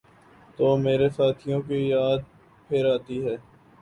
تو مرے ساتھیوں کی یاد پھرآتی ہے۔